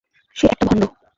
সে একটা ভন্ড।